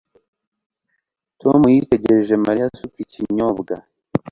Tom yitegereje Mariya asuka ikinyobwa